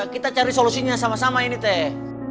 kita cari solusinya sama sama ini teh